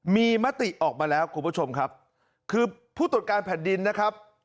มีมติออกมาแล้วคุณผู้ชมครับคือผู้ตรวจการแผ่นดินนะครับ